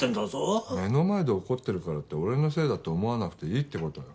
目の前で怒ってるからって俺のせいだって思わなくていいって事よ。